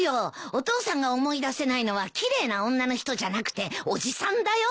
お父さんが思い出せないのは奇麗な女の人じゃなくておじさんだよ。